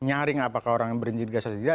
menyaring apakah orang yang berintegritas atau tidak